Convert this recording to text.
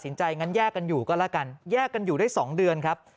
ใจงั้นแยกกันอยู่ก็แล้วกันแยกกันอยู่ได้๒เดือนครับ